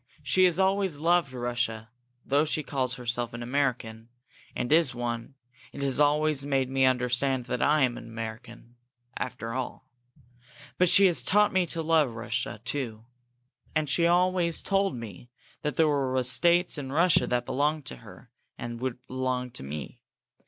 She has always loved Russia, though she calls herself an American, and is one, and has always made me understand that I am an American, before all. But she has taught me to love Russia, too. And she has always told me that there were estates in Russia that belonged to her, and would belong to me.